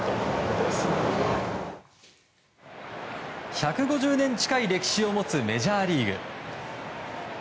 １５０年近い歴史を持つメジャーリーグ。